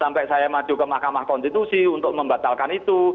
sampai saya maju ke mahkamah konstitusi untuk membatalkan itu